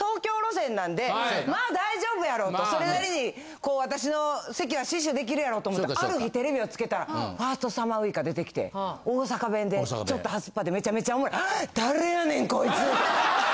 なんでまあ大丈夫やろうとそれなりにこう私の席は死守できるやろうと思ってある日テレビをつけたらファーストサマーウイカ出てきて大阪弁でちょっとはすっぱでめちゃめちゃおもろい。